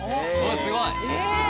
すごい。